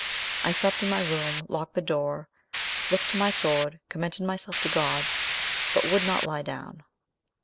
I supped in my room, locked the door, looked to my sword, commended myself to God, but would not lie down.